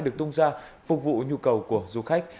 được tung ra phục vụ nhu cầu của du khách